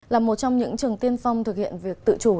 là một trong những trường tiên phong thực hiện việc tự chủ